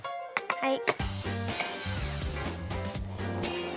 はい。